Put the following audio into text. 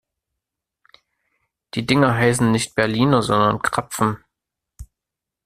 Die Dinger heißen nicht Berliner, sondern Krapfen.